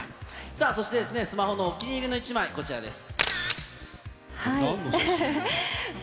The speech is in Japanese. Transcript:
そして、スマホのお気に入りの１枚、こちらです。